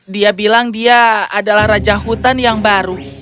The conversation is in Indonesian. dia bilang dia adalah raja hutan yang baru